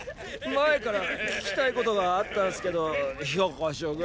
前から聞きたいことがあったんスけど公将軍。